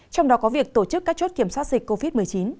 trong đó có việc tổ chức các chốt kiểm soát dịch covid một mươi chín